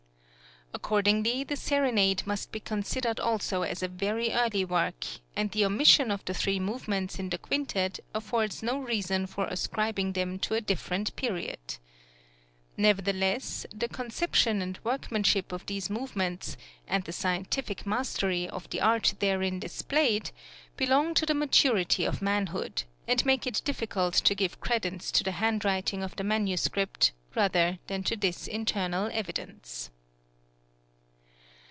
Accordingly the serenade must be considered also as a very early work, and the omission of the three movements in the quintet affords no reason for ascribing them to a different period. Nevertheless, the conception and workmanship of these movements, and the scientific mastery of the art therein displayed, belong to the maturity of manhood, and make it difficult to give credence to the handwriting of the manuscript rather than to this internal evidence.